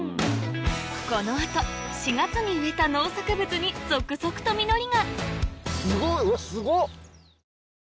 この後４月に植えた農作物に続々と実りが！